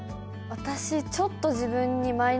私ちょっと。